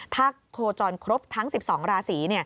ถ้าโคจรครบทั้ง๑๒ราศี